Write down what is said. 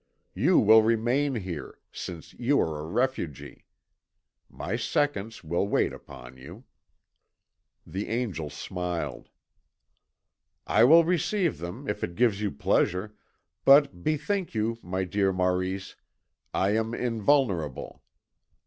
You will remain here, since you are a refugee. My seconds will wait upon you." The angel smiled. "I will receive them, if it gives you pleasure, but, bethink you, my dear Maurice, I am invulnerable.